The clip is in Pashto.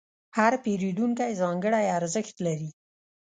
هر پیرودونکی ځانګړی ارزښت لري.